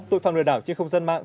tội phạm lừa đảo trên không dân mạng